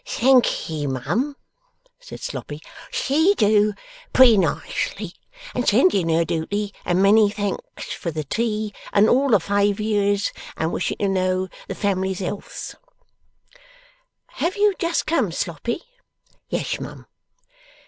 'Thankee, mum,' said Sloppy, 'she do pretty nicely, and sending her dooty and many thanks for the tea and all faviours and wishing to know the family's healths.' 'Have you just come, Sloppy?' 'Yes, mum.